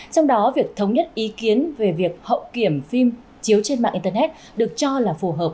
trong đó việc thống nhất ý kiến về việc hậu kiểm phim chiếu trên mạng internet được cho là phù hợp